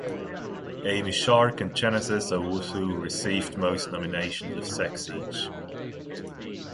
Amy Shark and Genesis Owusu received most nominations with six each.